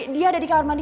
dia ada di kamar mandi